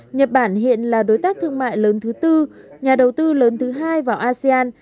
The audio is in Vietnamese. nhật bản hiện là đối tác thương mại lớn thứ tư nhà đầu tư lớn thứ hai vào asean